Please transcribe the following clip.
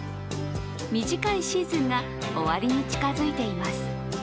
短いシーズンが終わりに近づいています。